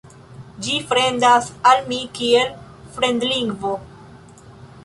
Ĝi fremdas al mi kiel fremdlingvo.